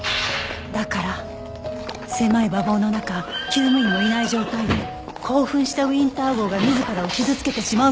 だから狭い馬房の中厩務員もいない状態で興奮したウィンター号が自らを傷つけてしまう事を恐れたあなたは。